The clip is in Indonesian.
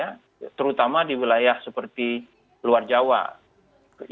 atau politik islamnya kuat ya terutama di wilayah seperti luar jawa yang ganjar cukup lemah